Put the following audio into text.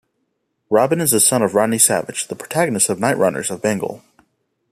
Robin is the son of Rodney Savage, the protagonist of "Nightrunners of Bengal".